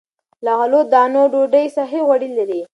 له غلو- دانو ډوډۍ صحي غوړي لري.